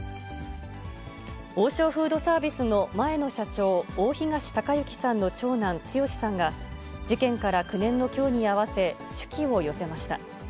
王将フードサービスの前の社長、大東隆行さんの長男、剛志さんが、事件から９年のきょうに合わせ、手記を寄せました。